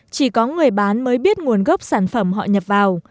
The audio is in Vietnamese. chỉ có người bán mới biết nguồn gốc sản phẩm họ nhập vào